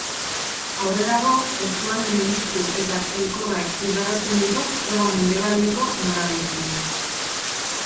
Aurrerago eskualde menditsu eta elkorrak igarotzen ditu hego-mendebaldeko norabidean.